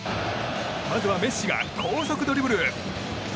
まずはメッシが高速ドリブル。